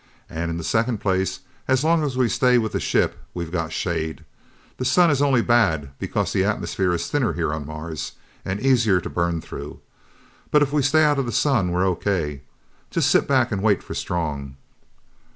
And in the second place, as long as we stay with the ship, we've got shade. That sun is only bad because the atmosphere is thinner here on Mars, and easier to burn through. But if we stay out of the sun, we're O.K. Just sit back and wait for Strong!"